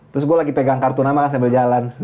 terus gue lagi pegang kartu nama sambil jalan